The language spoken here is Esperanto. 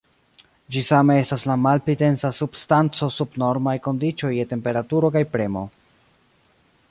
Ĝi same estas la malpli densa substanco sub normaj kondiĉoj je temperaturo kaj premo.